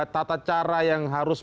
tata cara yang harus